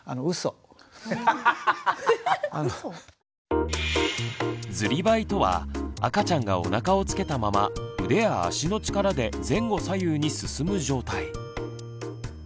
うそ⁉ずりばいとは赤ちゃんがおなかをつけたまま腕や脚の力で前後左右に進む状態。